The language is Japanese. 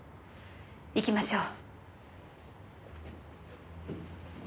行きましょう。